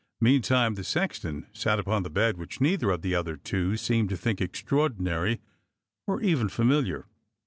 Meantime, the sexton sat upon the bed, which neither of the other two seemed to think extraordinary or even familiar.